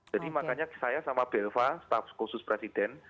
jadi makanya saya sama belva staff khusus presiden